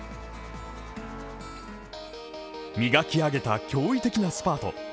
磨き上げた驚異的なスパート。